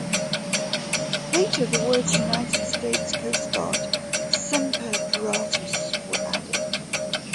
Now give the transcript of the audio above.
Later, the words, "United States Coast Guard-- Semper Paratus" were added.